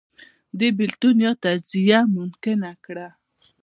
دې بېلتون یا تجزیه ممکنه کړه